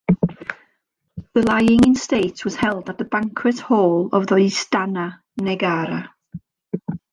The lying in state was held at the Banquet Hall of the Istana Negara.